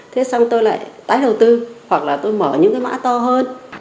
thế xong tôi lại tái đầu tư hoặc là tôi mở những cái mã to hơn